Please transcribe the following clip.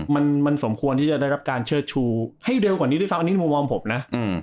มันมันสมควรที่จะได้รับการเชิดชูให้เร็วกว่านี้ด้วยซ้ำอันนี้มุมมองผมนะ